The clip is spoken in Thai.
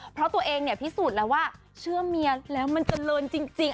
เพราะตัวเองเนี่ยพิสูจน์แล้วว่าเชื่อเมียแล้วมันเจริญจริง